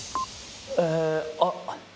えあっ。